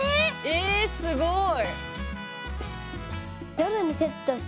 えすごい！